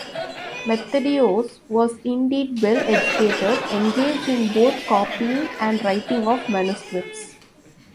Methodios was indeed well-educated; engaged in both copying and writing of manuscripts.